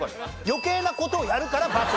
余計な事をやるからバツ。